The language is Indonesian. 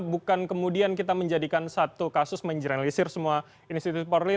bukan kemudian kita menjadikan satu kasus menjeralisir semua institusi polri